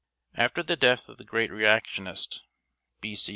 After the death of the great reactionist (B.C.